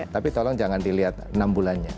tapi tolong jangan dilihat enam bulannya